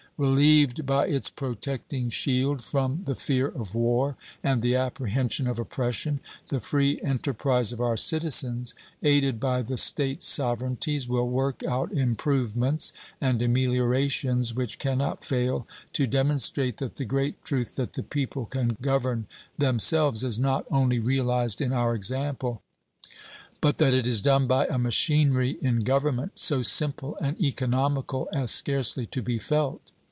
Relieved by its protecting shield from the fear of war and the apprehension of oppression, the free enterprise of our citizens, aided by the State sovereignties, will work out improvements and ameliorations which can not fail to demonstrate that the great truth that the people can govern themselves is not only realized in our example, but that it is done by a machinery in government so simple and economical as scarcely to be felt.